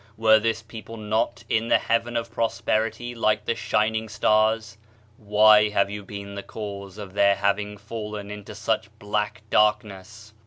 Were this people not in the heaven of prosperiQr like the shining stars? Why have you been the cause of their having fallen into such black dark ness?